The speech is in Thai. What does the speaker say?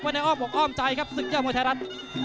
วันนี้อ้อมหกอ้อมใจครับศึกเยี่ยมมวยไทยรัฐ